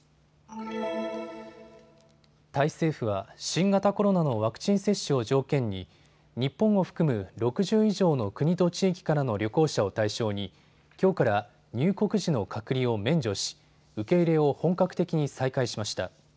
タイ政府は新型コロナのワクチン接種を条件に日本を含む６０以上の国と地域からの旅行者を対象にきょうから入国時の隔離を免除し受け入れを本格的に再開しました。